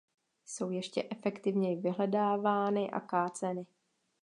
Jsou ještě efektivněji vyhledávány a káceny.